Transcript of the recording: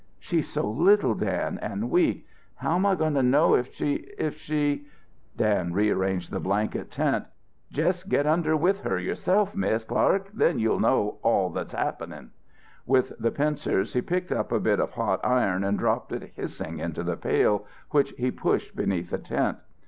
"She's so little, Dan, and weak. How am I going to know if she if she " Dan rearranged the blanket tent. "Jest get under with her yourself, Mis' Clark, then you'll know all that's happening." With the pincers he picked up a bit of hot iron and dropped it hissing into the pail, which he pushed beneath the tent.